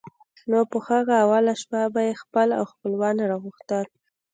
نو په هغه اوله شپه به یې خپل او خپلوان را غوښتل.